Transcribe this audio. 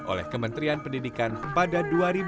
oleh kementerian pendidikan pada dua ribu dua puluh